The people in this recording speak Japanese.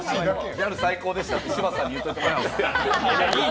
ギャル最高でしたって柴田さんに言うといてもらっていい？